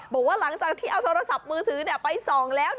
บอกว่าหลังจากที่เอาโทรศัพท์มือถือไปส่องแล้ว